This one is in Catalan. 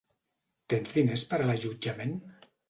Tens diners per a l'allotjament?